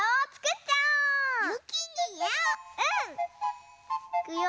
うん！いくよ。